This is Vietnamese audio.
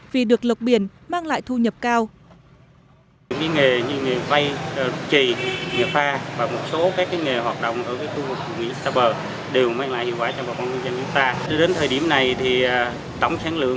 vì được lộc biển mang lại thu nhập cao